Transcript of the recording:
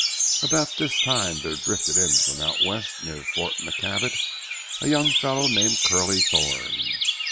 "About this time there drifted in from out west near Fort McKavett, a young fellow named Curly Thorn.